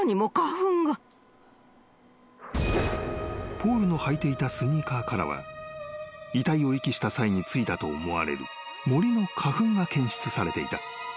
［ポールの履いていたスニーカーからは遺体を遺棄した際に付いたと思われる森の花粉が検出されていた］